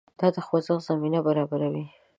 دا د خوځښت زمینه برابروي.